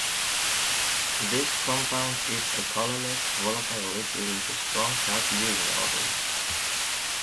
This compound is a colorless, volatile liquid with a strong cat urine odor.